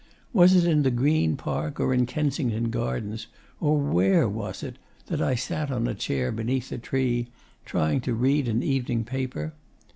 Was it in the Green Park, or in Kensington Gardens, or WHERE was it that I sat on a chair beneath a tree, trying to read an evening paper?